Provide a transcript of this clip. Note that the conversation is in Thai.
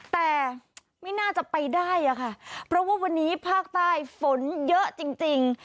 แต่ไม่น่าจะไปได้อะค่ะเพราะว่าวันนี้ภาคใต้ฝนเยอะจริง